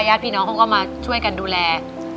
ญาติพี่น้องเขาก็มาช่วยกันดูแล